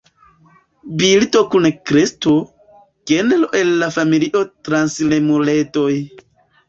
Birdo kun kresto, genro el familio transiremuledoj.